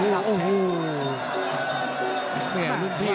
มันต้องอย่างงี้มันต้องอย่างงี้